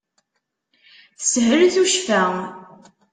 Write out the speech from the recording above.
Teshel tuccfa.